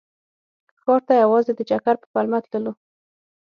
ښار ته یوازې د چکر په پلمه تللو.